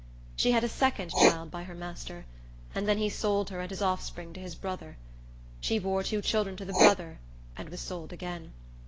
She had a second child by her master, and then he sold her and his offspring to his brother. She bore two children to the brother and was sold again.